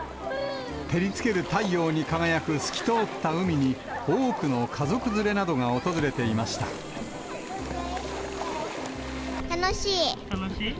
照りつける太陽に輝く透き通った海に、多くの家族連れなどが訪れ楽しい。